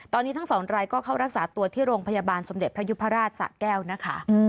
ตอนนี้ทั้งสองรายก็เข้ารักษาตัวที่โรงพยาบาลสมเด็จพระยุพราชสะแก้วนะคะ